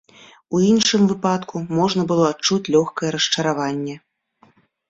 У іншым выпадку можна было адчуць лёгкае расчараванне.